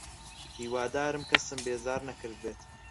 هیوادارم کەسم بێزار نەکردبێت.